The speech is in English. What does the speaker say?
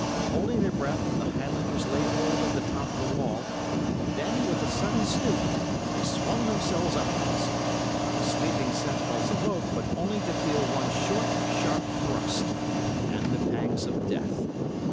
Holding their breath the Highlanders laid hold of the top of the wall, then with a sudden stoop, they swung themselves upwards. The sleeping sentinels awoke, but only to feel one short, sharp thrust—and the pangs of death.